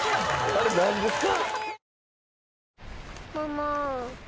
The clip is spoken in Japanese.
あれなんですか？